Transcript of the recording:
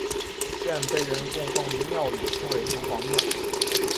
现被人供奉于庙宇称为城隍庙。